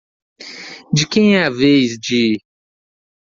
De quem é a vez de?